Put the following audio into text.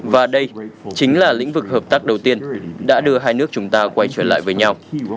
và đây chính là lĩnh vực hợp tác đầu tiên đã đưa hai nước chúng ta quay trở lại với nhau